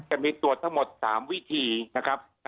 จะมีตรวจทั้งหมด๓วิธีนะครับ